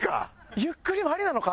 ゆっくりもありなのか？